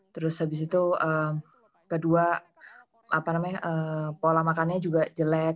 terus habis itu kedua pola makannya juga jelek